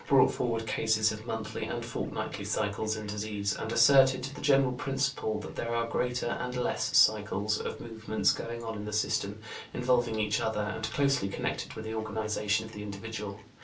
i and ii) brought forward cases of monthly and fortnightly cycles in disease, and asserted "the general principle that there are greater and less cycles of movements going on in the system, involving each other, and closely connected with the organization of the individual."